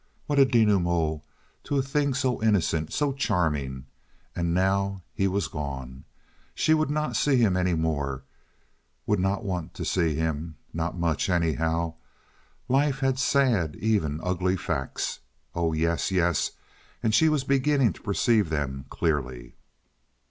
What a denouement to a thing so innocent, so charming! And now he was gone. She would not see him any more, would not want to see him—not much, anyhow. Life had sad, even ugly facts. Oh yes, yes, and she was beginning to perceive them clearly.